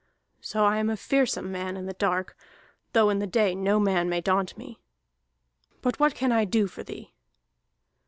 So I am a fearsome man in the dark, though in the day no man may daunt me. But what can I do for thee?"